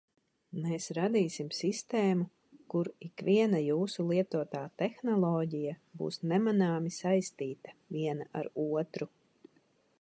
Mēs radīsim sistēmu, kur ikviena jūsu lietotā tehnoloģija būs nemanāmi saistīta viena ar otru.